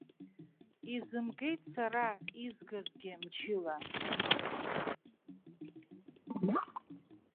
Изымгеит сара изгазгьы мчыла.